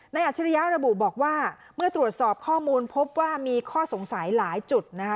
อัจฉริยะระบุบอกว่าเมื่อตรวจสอบข้อมูลพบว่ามีข้อสงสัยหลายจุดนะคะ